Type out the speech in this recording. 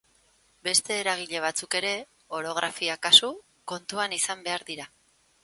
Beste eragile batzuk ere, orografia kasu, kontuan izan behar dira.